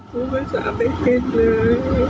พูดภาษาไม่เป็นเลย